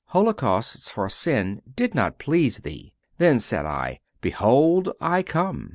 Holocausts for sin did not please Thee. Then said I: Behold, I come."